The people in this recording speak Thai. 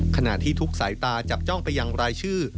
ขณะที่ทุกสายตาจับจ้องไปยังรายชื่อ